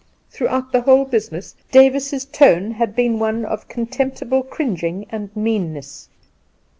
Throughout the whole business Davis's tone had been one of contemptible cringing and meanness.